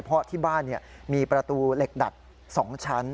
เพราะที่บ้านมีประตูเหล็กดัด๒ชั้น